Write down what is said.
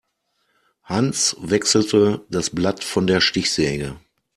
Hans wechselte das Blatt von der Stichsäge.